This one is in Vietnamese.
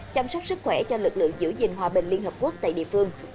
chăm sóc sức khỏe cho lực lượng giữ gìn hòa bình liên hợp quốc tại địa phương